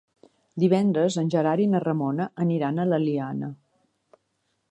Divendres en Gerard i na Ramona aniran a l'Eliana.